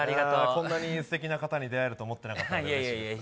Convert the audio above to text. こんなにステキな方に出会えると思っていなかったので。